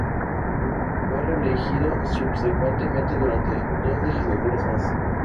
Fue reelegido subsecuentemente durante dos legislaturas más.